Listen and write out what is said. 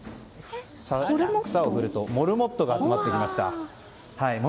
草を振るとモルモットが集まってきました。